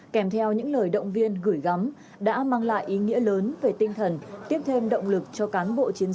kèm theo những lời động viên gửi gắm đã mang lại ý nghĩa lớn về tinh thần